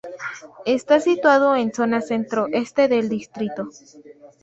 Está situado en zona centro-este del distrito.